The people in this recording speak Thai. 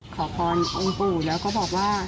ขอพรองค์ปู่แล้วก็บอกว่า